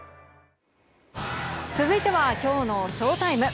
続いてはきょうのＳＨＯＴＩＭＥ。